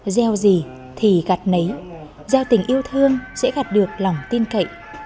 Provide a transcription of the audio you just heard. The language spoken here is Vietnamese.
gieo gì thì gạt nấy gieo tình yêu thương sẽ gạt được lòng tin cậy